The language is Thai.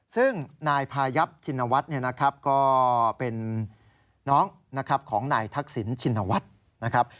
ซึ่งนายพายับชินวัฒน์ก็เป็นน้องของนายทักษิณชินวัฒน์นะครับ